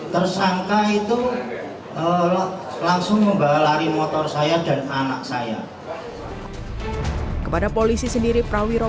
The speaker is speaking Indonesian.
tersangka itu langsung membawa lari motor saya dan anak saya kepada polisi sendiri prawiro